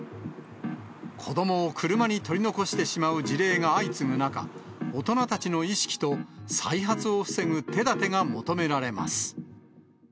子どもを車に取り残してしまう事例が相次ぐ中、大人たちの意識と再発を防ぐ手だてが求められます。